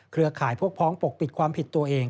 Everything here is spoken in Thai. เครือข่ายพวกพ้องปกปิดความผิดตัวเอง